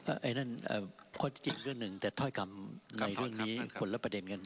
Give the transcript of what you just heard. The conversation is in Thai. ไอ้นั่นข้อจริงเรื่องหนึ่งแต่ถ้อยคำในเรื่องนี้คนละประเด็นกัน